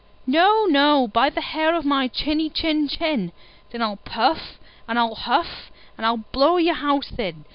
"No, no, by the hair of my chinny chin chin." "Then I'll puff and I'll huff, and I'll blow your house in!"